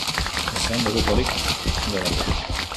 Ez zen lekukorik geratu.